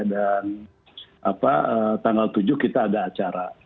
dan tanggal tujuh kita ada acara